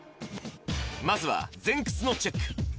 まずは前屈のチェック